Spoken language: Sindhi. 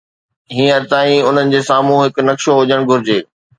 هينئر تائين، انهن جي سامهون هڪ نقشو هجڻ گهرجي.